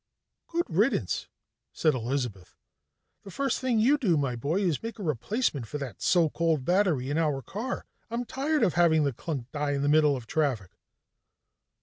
"Good riddance," said Elizabeth. "The first thing you do, my boy, is make a replacement for that so called battery in our car. I'm tired of having the clunk die in the middle of traffic."